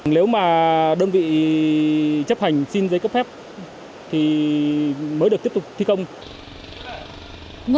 nếu mà đơn vị chấp hành xin giấy cấp phép thì mới được tiếp tục thi công